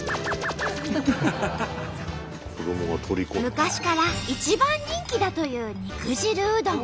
昔から一番人気だという肉汁うどん。